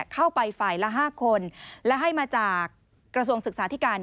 เข้าไปฝ่ายละ๕คนและให้มาจากกระทรวงศึกษาธิการ